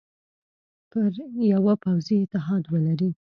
یوه پوځي اتحاد ولري.